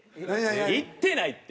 行ってないって！